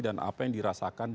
dan apa yang dirasakan